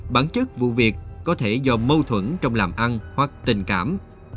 bản chất vụ việc có thể do mâu thuẫn trong làm ăn hoặc tình cảm